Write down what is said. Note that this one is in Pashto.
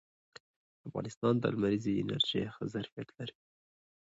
افغانستان د لمریزې انرژۍ ښه ظرفیت لري